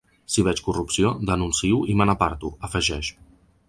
Si veig corrupció, denuncio i me n’aparto, afegeix.